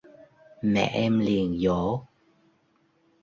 mẹ em liền dỗ